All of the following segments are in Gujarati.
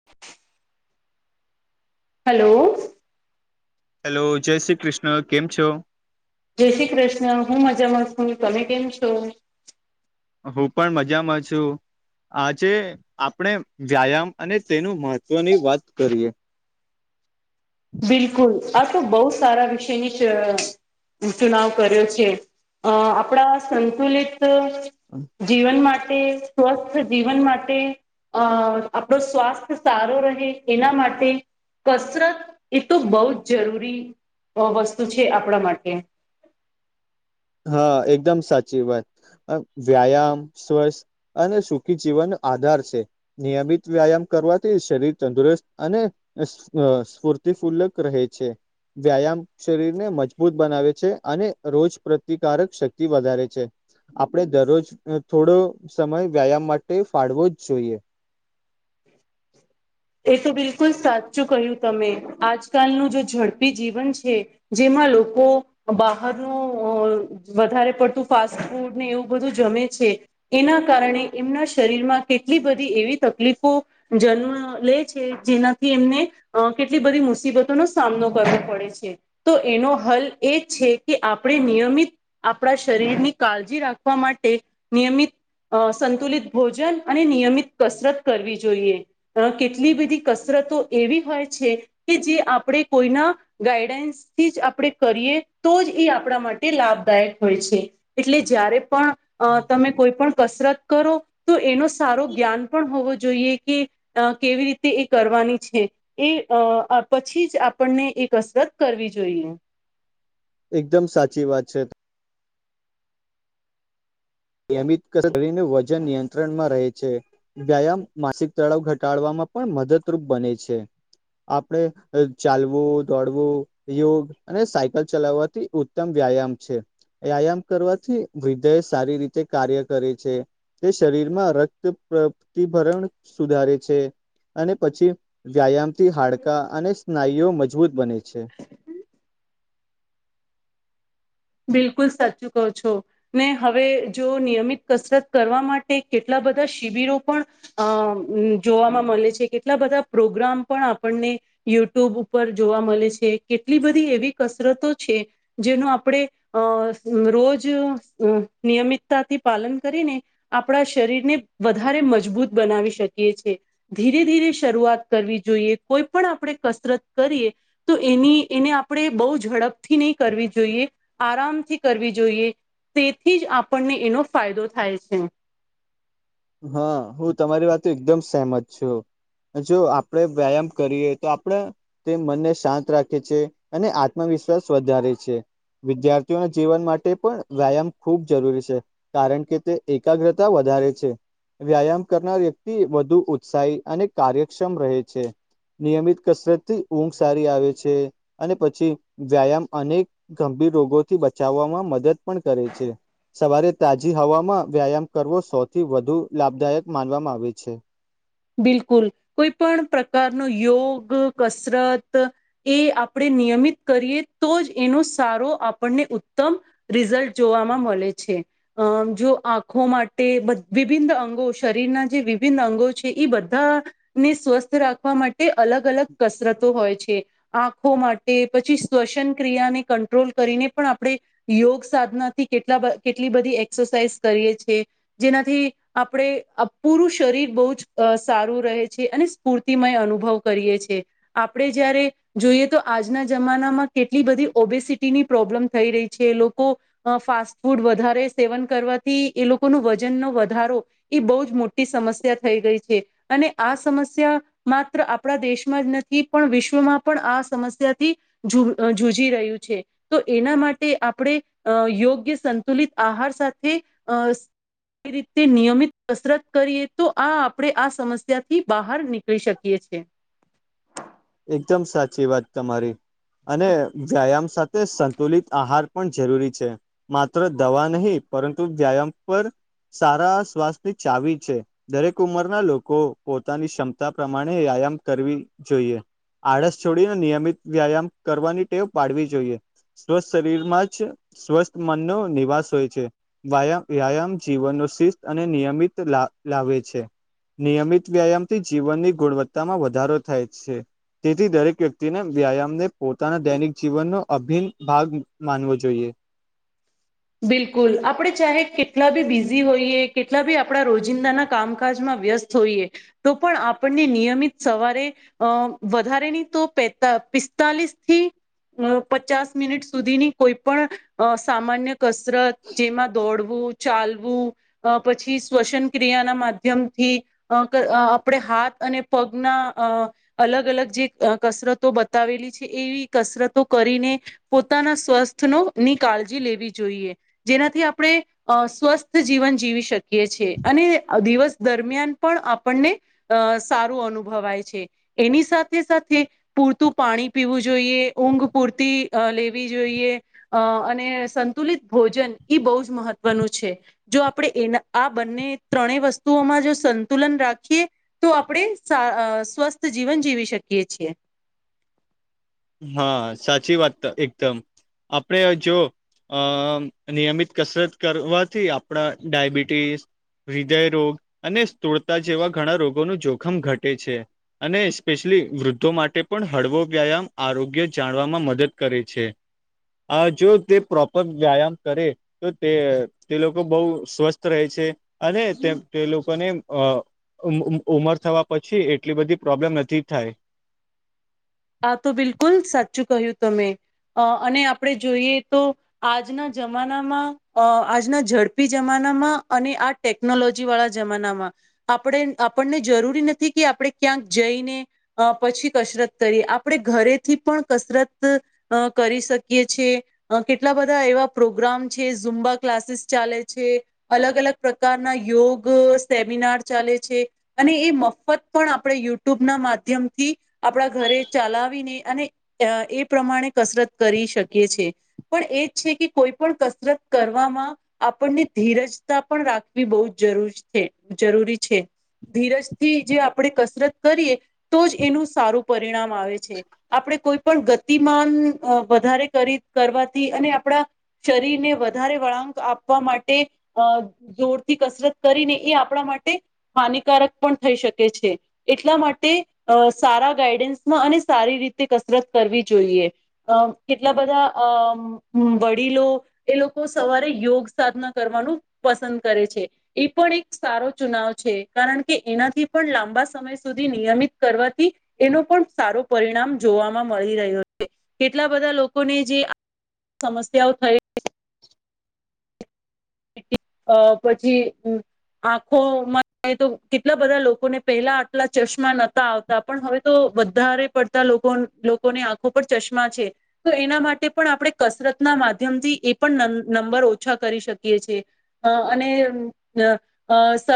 [inaudible] હલો હેલો જય શ્રી કૃષ્ણ કેમ છો જય શ્રી કૃષ્ણ હું મજામાં છું તમે કેમ છો હું પણ મજામાં છું આજે આપણે વ્યાયામ અને તેનું મહત્વની વાત કરીએ બિલકુલ આ તો બહુ સારા વિષયની ચ સુનાવ કર્યો છે અ આપણા સંતુલિત જીવન માટે સ્વસ્થ જીવન માટે અ આપણો સ્વાસ્થ્ય સારો રહે એના માટે કસરત એ તો બહુ જ જરૂરી વસ્તુ છે આપણા માટે હા એકદમ સાચી વાત વ્યાયામ સ્વસ્થ અને સુખી જીવનનો આધાર છે નિયમિત વ્યાયામ કરવાથી શરીર તંદુરસ્ત અને સ્ફૂર્તિ ફૂલક રહે છે વ્યાયામ શરીરને મજબૂત બનાવે છે અને રોજ પ્રતિકારક શક્તિ વધારે છે આપડે દરરોજ થોડો સમય વ્યાયામ માટે ફાળવો જ જોઈએ એ તો બિલકુલ સાચું કહ્યું તમે આજકાલનું જે ઝડપી જીવન છે જેમાં લોકો બહારનું અ વધારે પડતું ફાસ્ટ ફૂડ ને એવું બધું જમે છે એના કારણે એમના શરીરમાં કેટલી બધી એવી તકલીફો જન્મ લે છે જેનાથી એમને કેટલી બધી મુસીબતો નો સામનો કરવો પડે છે તો એનો હલ એ છે કે આપણે નિયમિત આપણા શરીરની કાળજી રાખવા માટે નિયમિત અ સંતુલિત ભોજન અને નિયમિત કસરત કરવી જોઈએ કેટલી એટલી બધી કસરતો એવી હોય છે કે જે આપણે કોઈના ગાઈડન્સ થી જ આપણે કરીએ તો જ એ આપણા માટે લાભદાયક હોય છે. એટલે જ્યારે પણ અ તમે કોઈ પણ કસરત કરો. તો એનો સારો જ્ઞાન પણ હોવો જોઈએ કે. કેવી રીતે એ કરવાની છે. એ અ પછી જ આપણને એ કસરત કરવી જોઈએ. એકદમ સાચી વાત છે. નિયમિત [inaudible] કરીને વજન નિયંત્રણમાં રહે છે. વ્યાયામ માસિક તળાવ ઘટાડવામાં પણ મદદરૂપ બને છે. આપડણે ચાલવું, દોડવું, યોગ, અને સાયકલ ચલાવવાથી ઉત્તમ વ્યાયામ છે વ્યાયામ કરવાથી હૃદ એ સારી રીતે. તે કાર્ય કરે છે તે શરીરમાં રક્ત પ્રતિભરણ સુધારે છે. અને પછી વ્યાયામથી હાડકા અને સ્નાયુઓ મજબૂત બને છે. બિલકુલ સાચું કહો છો. ને હવે જો નિયમિત કસરત કરવા માટે કેટલા બધા શિબિરો પણ અ જોવામાં મળે છે કેટલા બધા પ્રોગ્રામ પણ આપણને યુટ્યુબ ઉપર જોવા મળે છે કેટલી બધી એવી કસરતો છે જેનું આપણે અ રોજ નિયમિતતાથી પાલન કરીને- આપણા શરીરને વધારે મજબૂત બનાવી શકીએ છે. ધીરે ધીરે શરૂઆત કરવી જોઈએ કોઈ પણ આપણે કસરત કરીએ. તો એની એને આપણે બહુ ઝડપથી નહી કરવી જોઈએ. આરામથી કરવી જોઈએ તેથી જ આપણને એનો ફાયદો થાય છે. હા હું તમારી વાત એકદમ સેહમત છું. જો આપણેે વ્યાયામ કરીએ તો આપણે તે મનને શાંત રાખે છે અને આત્મવિશ્વાસ વધારે છે. વિદ્યાર્થીઓના જીવન માટે પણ વ્યાયામ ખૂબ જરૂરી છે. કારણ કે તે એકાગ્રતા વધારે છે. વ્યાયામ કરનાર વ્યક્તિ વધુ ઉત્સાહી અને કાર્યક્ષમ રહે છે. નિયમિત કસરત થી ઊંઘ સારી આવે છે અને પછી વ્યાયામ અનેક ગંભીર રોગોથી બચાવવામાં મદદ પણ કરે છે‌. સવારે તાજી હવામાં વ્યાયામ કરવો સૌથી વધુ લાભદાયક માનવામાં આવે છે. બિલકુલ, કોઈ પણ પ્રકારનો યોગ, કસરત, એ આપણે નિયમિત કરીએ તો જ એનો સારો આપણને ઉત્તમ રિઝલ્ટ જોવામાં મળે છે. અમ જો આંખો માટે વિભિન્ન અંગો શરીરના જે વિભિન્ન અંગો છે. ઈ બધાને સ્વસ્થ રાખવા માટે અલગ અલગ કસરતો હોય છે. આંખો માટે પછી, શ્વસન ક્રિયાને કંટ્રોલ કરીને પણ આપણે યોગ સાધનાથી કેટલા કેટલી બધી એક્સરસાાઈઝ કરીએ છેએ જેનાથી આપણે પૂરું શરીર બહુ જ અ સારું રહે છે અને સ્ફૂર્તિમય અનુભવ કરીએએ આપણે જ્યારે જોઈએ તો આજના જમાનામાં કેટલી બધી ઓબેસિટીની પ્રોબ્લેમ થઈ રહી છે લોકો અ ફાસ્ટ ફૂડ વધારે સેવન કરવાથી એ લોકો નુ વજનનો વધારો એ બહુ જ મોટી સમસ્યા થઈ ગઈ છે અને આ સમસ્યા માત્ર આપણા દેશમાં જ નથી પણ વિશ્વમાં પણ આ સમસ્યાથી‌ ઝુ જુઝી રહ્યું છે. તો એના માટે આપણે અ યોગ્ય સંતુલિત આહાર સાથે અ રીતે નિયમિત કસરત કરીએ તો આ આપણે આ સમસ્યા થી બહાર નીકળી શકીએ છીએ. એકદમ સાચી વાત તમારી અને વ્યાયામ સાથે. તે સંતુલિત આહાર પણ જરૂરી છે. માત્ર દવા નહીં પરંતુ વ્યાયામ પર સારા શ્વાસની ચાવી છે. દરેક ઉંમરના લોકો પોતાની ક્ષમતા પ્રમાણે વ્યાયામ કરવી જોઈએ આળસ છોડીને નિયમિત વ્યાયામ કરવાની ટેવ પાડવી જોઈએ સ્વસ્થ શરીર માં જ સ્વસ્થ મનનો નિવાસ હોય છે વ્યાયામ જીવનનો શિસ્ત અને નિયમિત લાવે છે નિયમિત વ્યાયામ થી જીવનની ગુણવત્તામાં વધારો થાય છે તેથી દરેક વ્યક્તિને વ્યાયામને પોતાના દૈનિક જીવનનો અભિન્ન ભાગ માનવો જોઈએ બિલકુલ આપણે ચાહે કેટલા બી બિઝી હોઈએ કેટલા બી આપણા રોજિંદાના કામકાજમાં વ્યસ્ત જોઈએ તો પણ આપણને નિયમિત સવારે અ વધારેની તો પિસ્તાલીસ થી અ પચાસ મિનિટ સુધીની કોઈ પણ સામાન્ય કસરત જેમાં દોડવું ચાલવું અ પછી શ્વસન ક્રિયા ના માધ્યમથી અ આપણે હાથ અને પગના અ અલગ અલગ જે કસરતો બતાવેલી છે એવી કસરતો કરીને પોતાના સ્વસ્થનો ની કાળજી લેવી જોઈએ જેનાથી આપણે અ સ્વસ્થ જીવન જીવી શકીએ છીએ અને દિવસ દરમિયાન પણ આપણને અ સારું અનુભવાય છે એની સાથે સાથે પૂરતું પાણી પીવું જોઈએ ઊંઘ પૂરતી લેવી જોઈએ અ અને સંતુલિત ભોજન બહુ જ મહત્વનું છે જો આપણે એના આ બંને ત્રણેય વસ્તુઓમાં જો સંતુલન રાખીએ તો આપણે સ્વસ્થ જીવન જીવી શકીએ છીએ હા સાચી વાત એકદમ આપણે જો અ નિયમિત કસરત કરવાથી આપણા ડાયબિટીસ હૃદય રોગ અને સ્થૂળતા જેવા ઘણા રોગોનું જોખમ ઘટે છે અને સ્પેશિયલી વૃદ્ધો માટે પણ હળવો વ્યાયામ આરોગ્ય જાણવામાં મદદ કરે છે આ જો તે પ્રોપર વ્યાયામ કરે તો તે તે લોકો બહુ સ્વસ્થ રહે છે અને તેમ તે લોકોને ઉમર થવા પછી એટલી બધી પ્રોબ્લેમ નથી થાય આા તો બિલકુલ સાચું કહ્યું તમે અને આપણે જોઈએ તો આજના જમાનામાં આજના ઝડપી જમાનામાં અને આ ટેકનોલોજી વાળા જમાનામાં આપણે આપણને જરૂરી નથી કે આપણે ક્યાંક જઈને પછી કસરત કરી આપણે ઘરેથી પણ કસરત અ કરી શકીએ છેીએ કેટલા બધા એવા પ્રોગ્રામ છે ઝુંમબા ક્લાસીસ ચાલે છે અલગ અલગ પ્રકારના યોગ સેમિનાર ચાલે છે અને એ મફત પણ આપણે યુટ્યુબ ના માધ્યમથી આપણા ઘરે ચલાવીને અને એ પ્રમાણે કસરત કરી શકીએ છે પણ એજ છે કે કોઈ પણ કસરત કરવામાં આપણને ધીરજતા પણ રાખવી બહુ જ જરૂરી છે જરૂરી છે ધીરજથી જે આપણેે કસરત કરીએ તો જ એનું સારું પરિણામ આવે છે આપણે કોઈ પણ ગતિમાન વધારે કરી કરવાથી અને આપણા શરીરને વધારે વળાંક આપવા માટે અ જોરથી કસરત કરીને એ આપણા માટે હાનિકારક પણ થઈ શકે છે એટલા માટે અ સારા ગાઈડન્સમાં અને સારી રીતે કસરત કરવી જોઈએ અ કેટલા બધા અ વડીલો એ લોકો સવારે યોગ સાધના કરવાનું પસંદ કરે છે એ પણ એક સારો ચુનાવ છે કારણ કે એનાથી પણ લાંબા સમય સુધી નિયમિત કરવાથી એનો પણ સારો પરિણામ જોવાવામાં મળી રહ્યો છે કેટલા બધા લોકોને જે સમસ્યાઓ થઈ અ પછી આંખોમાં તો કેટલા બધા લોકોને પેહલા આટલા ચશ્મા નતા આવ તા. પણ હવે તો વધારે પડતા લોકો લોકોને આંખો પર ચશ્મા છે. પણ એના માટે પણ આપણે કસરતના માધ્યમથી એ પણ નં નંબર ઓછા કરી શકીએ છીએ. અ અને અ અ સ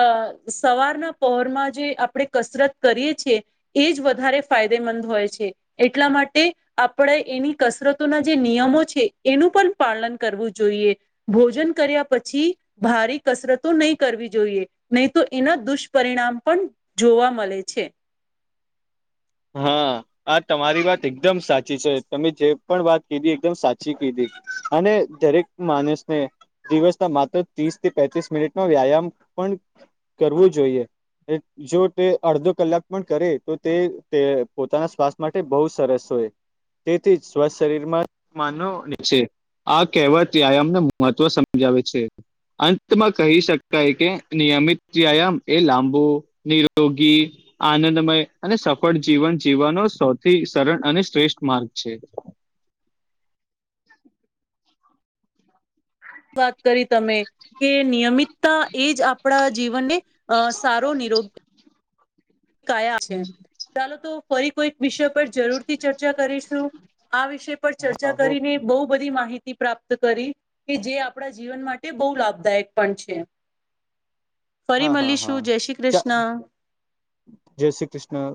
સવારના પહોરમાં જે આપણે કસરત કરીએ છીએ એ જ વધારે ફાયદેમંદ હોય છે એટલા માટે આપણે એની કસરતોના જે નિયમો છે એનું પણ પાલન કરવું જોઈએ. ભોજન કર્યા પછી ભારી કસરતો નહી કરવી જોઈએ, નહી તો એના દુષ્પરિણામ પણ જોવા મળે છે. હા. હા, તમારી વાત એકદમ સાચી છે. તમે જે પણ વાત કીધી એકદમ સાચી કીધી અને દરેક માનસને દિવસ ના માત્ર ત્રીસથી પેટ્રિસ મિનિટનો વ્યાયામ પણ કરવું જોઈએ. જો તે અડધો કલાક પણ કરે તો તે તે પોતાના સ્વાસ્થ્ય માટે બહુ સરસ હોય. તેથી જ સ્વ શરીરમાં માનવની જે આ કહેવાત વ્યાયામના મહત્વ સમજાવે છે. અંતમાં કહી શકાય કે, નિયમિત વ્યાયામ એ લાંબુ નિરોગી, આનંદમય અને સફ ફળ જીવન જીવવાનો સૌથી સરળ અને શ્રેષ્ઠ માર્ગ છે. વાત કરી તમે કે નિયમિત ત એ જ આપણા જીવનને અ સારો નિરોગ [unintelligible] કયા ચાલો તો ફરી કોઈક વિષય પર જરૂરથી ચર્ચા કરીશું. આ વિષય પર ચર્ચા હા હું કરીને બઉ બધી માહિતી પ્રાપ્ત કરી, કે જે આપણા જીવન માટે બહુ લાભદાયક પણ છે. ફરી હા હા હા મળીશું જય શ્રી ચ કૃષ્ણ જયશ્રી કૃષ્ણ.